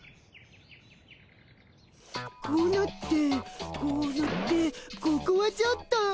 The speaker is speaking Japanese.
こうなってこうなってここはちょっと。